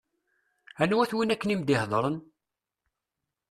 Anwa-t win akken i m-d-iheddṛen?